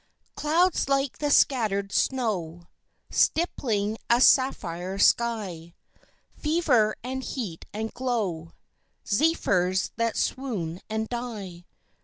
Clouds like the scattered snow Stippling a sapphire sky; Fervor and heat and glow, Zephyrs that swoon and die.